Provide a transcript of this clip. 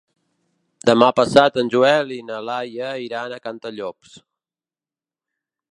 Demà passat en Joel i na Laia iran a Cantallops.